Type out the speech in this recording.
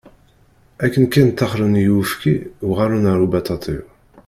Akken kan taxṛen i uyefki, uɣalen ar ubaṭaṭiw.